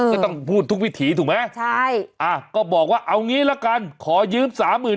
ก็ต้องพูดทุกวิถีถูกไหมอ้าก็บอกว่าเอางี้ละกันขอยืม๓๘๐๐๐